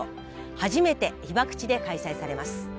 初めて被爆地で開催されます。